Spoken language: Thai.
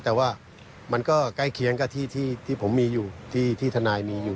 แต่ว่ามันก็ใกล้เคียงกับที่ผมมีอยู่ที่ทนายมีอยู่